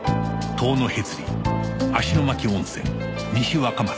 塔のへつり芦ノ牧温泉西若松